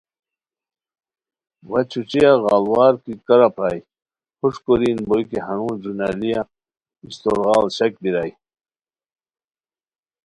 وا چھوچیہ غاڑوار کی کارہ پرائے ہوݰکورین بوئے کی ہنون جنالیہ استور غاڑ شک بیرائے